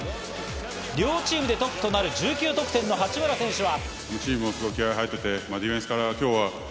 両チームでトップとなる１９得点の八村選手は。